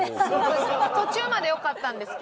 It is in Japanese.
途中までよかったんですけど。